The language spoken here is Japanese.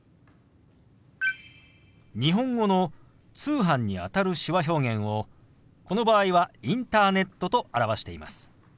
日本語の「通販」にあたる手話表現をこの場合は「インターネット」と表しています。